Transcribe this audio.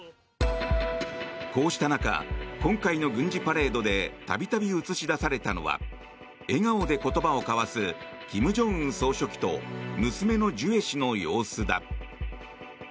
こうした中今回の軍事パレードでたびたび映し出されたのは笑顔で言葉を交わす金正恩総書記と娘のジュエ氏の様子だ。